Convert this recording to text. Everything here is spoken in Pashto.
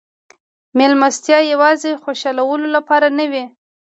مېلمستیاوې یوازې د خوشحالولو لپاره نه وې.